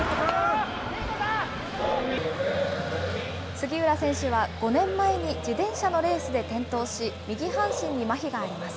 杉浦選手は、５年前に自転車のレースで転倒し、右半身にまひがあります。